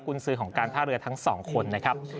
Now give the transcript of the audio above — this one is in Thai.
คุณซื้อของการท่าเรือทั้งสองคนนะครับ